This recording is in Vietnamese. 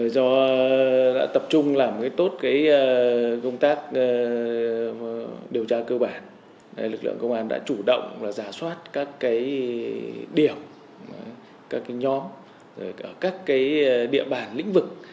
do đã tập trung làm tốt công tác điều tra cơ bản lực lượng công an đã chủ động giả soát các điểm các nhóm các địa bàn lĩnh vực